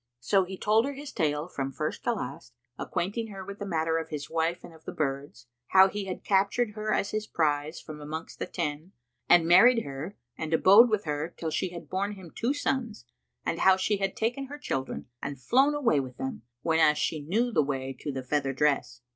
So he told her his tale from first to last, acquainting her with the matter of his wife and of the birds; how he had captured her as his prize from amongst the ten and married her and abode with her, till she had borne him two sons, and how she had taken her children and flown away with them, whenas she knew the way to the feather dress.